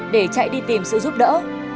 để chạy đi tìm sự giúp đỡ